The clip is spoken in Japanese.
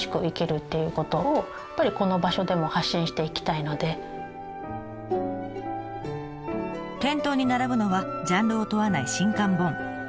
うちでは店頭に並ぶのはジャンルを問わない新刊本。